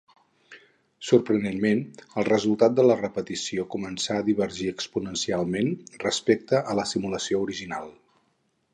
Sorprenentment, el resultat de la repetició començà a divergir exponencialment respecte a la simulació original.